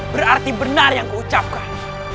berarti benar yang kuucapkan